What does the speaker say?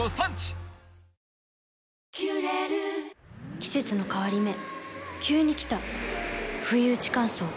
季節の変わり目急に来たふいうち乾燥。